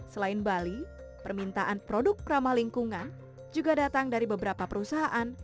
selain bali permintaan produk ramah lingkungan juga datang dari beberapa perusahaan